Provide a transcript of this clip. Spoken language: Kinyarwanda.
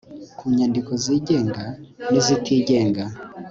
ku nyandiko zigenga nizitigenga